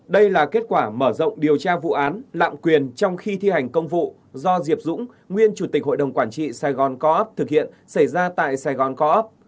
đây là kết quả mở rộng điều tra vụ án lạm quyền trong khi thi hành công vụ do diệp dũng nguyên chủ tịch hội đồng quản trị saigon co op thực hiện xảy ra tại saigon co op